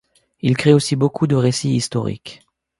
Il crée aussi beaucoup de récits historiques.